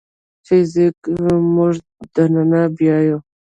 فزیک موږ دننه بیايي.